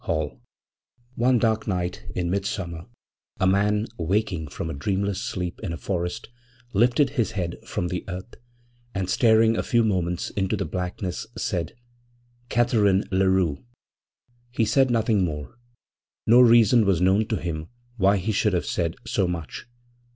HALL. One dark night in midsummer a man waking from a dreamless sleep in a forest lifted his head from the earth, and staring a few moments into the blackness, said: 'Catharine Larue.' He said nothing more; no reason was known to him why he should have said so much.